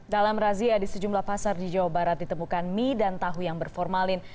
dalam razia di sejumlah pasar di jawa barat ditemukan mie dan tahu yang berformalin